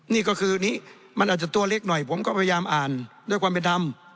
นี่ก็คือนี้มันอาจจะตัวเล็กหน่อยผมก็พยายามอ่านด้วยความเป็นธรรม